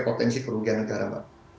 potensi kerugian negara mbak